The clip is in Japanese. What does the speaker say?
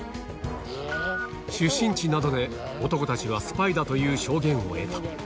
出身地などで男たちはスパイだという証言を得た。